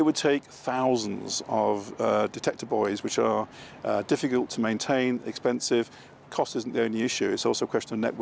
แต่ก็อาจจะสายเกินไปแล้ว